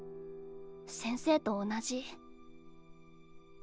先生と同じ。